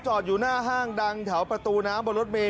จอดอยู่หน้าห้างดังแถวประตูน้ำบนรถเมย